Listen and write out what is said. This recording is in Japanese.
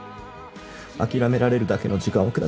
諦められるだけの時間を下さい。